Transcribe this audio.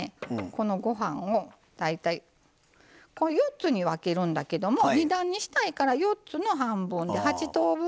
このご飯を大体４つに分けるんだけども２段にしたいから４つの半分で８等分ぐらいにしますね。